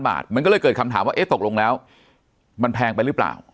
บาทมันก็เลยเกิดคำถามว่าเอ๊ะตกลงแล้วมันแพงไปหรือเปล่า